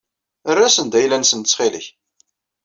Err-asen-d ayla-nsen ttxil-k.